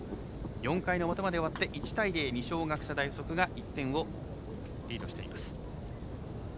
４回の表まで終わって１対０で二松学舎大付属が１点をリードしています。